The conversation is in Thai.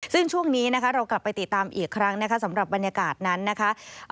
ซึ่งช่วงนี้นะคะเรากลับไปติดตามอีกครั้งนะคะสำหรับบรรยากาศนั้นนะคะ